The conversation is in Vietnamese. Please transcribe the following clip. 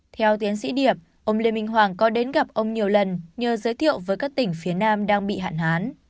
theo tiến sĩ điệp ông lê minh hoàng có đến gặp ông nhiều lần nhờ giới thiệu với các tỉnh phía nam đang bị hạn hán